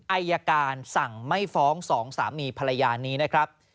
อายการสั่งไม่ฟ้องสองสามีภรรยานี้นะครับ